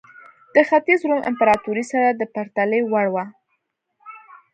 د ختیځ روم امپراتورۍ سره د پرتلې وړ وه.